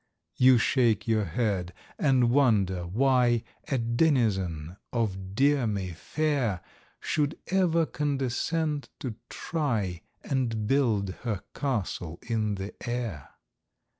You shake your head, and wonder why A denizen of dear May Fair Should ever condescend to try And build her Castle in the Air.